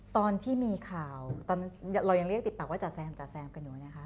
ตอนที่มีข่าวตอนเรายังเรียกติดปากว่าจ๋าแซมจ๋าแซมกันอยู่นะคะ